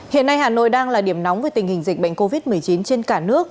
hiện nay hà nội đang là điểm nóng về tình hình dịch bệnh covid một mươi chín trên cả nước